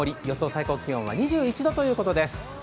最高気温は２１度ということです。